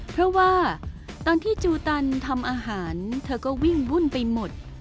เพราะว่าตอนที่จูตันทำอาหารเธอก็วิ่งวุ่นไปหมด